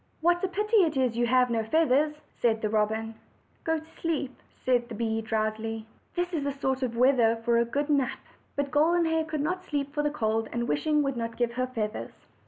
"What a pity it is you have no feathers!" said the robin. "Go to sleep," said the bee drowsily; "this is the sort of weather for a good nap." But Golden Hair could not sleep for the cold, and wishing would not give her feathers.